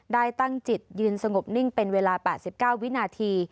ได้ตั้งจิตยืนสงบนิ่งเป็นเวลา๘๙วินาที